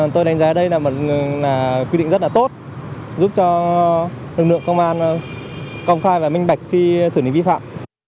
tôi đánh giá đây là một quy định rất là tốt giúp cho lực lượng công an công khai và minh bạch khi xử lý vi phạm